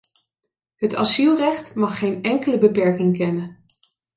Het asielrecht mag geen enkele beperking kennen.